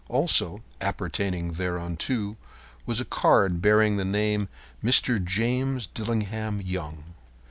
Also appertaining thereunto was a card bearing the name "Mr. James Dillingham Young."